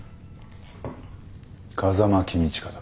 風間公親だ。